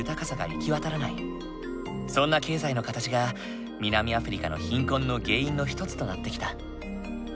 そんな経済の形が南アフリカの貧困の原因の一つとなってきた。